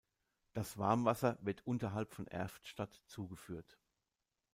Das Warmwasser wird unterhalb von Erftstadt zugeführt.